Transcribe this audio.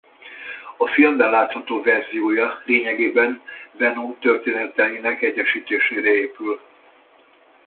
A filmben látható verziója lényegében Venom történeteinek egyesítésére épül.